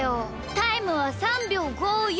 タイムは３びょう５４！